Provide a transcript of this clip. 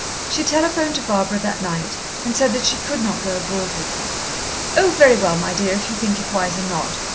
She telephoned to Barbara that night, and said that she could not go abroad with her. "Oh, very well, my dear, if you think it wiser not.